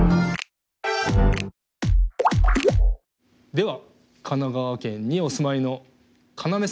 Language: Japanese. では神奈川県にお住まいのカナメさん。